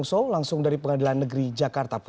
sampai jumpa di sampai jumpa